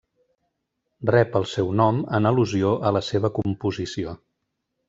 Rep el seu nom en al·lusió a la seva composició.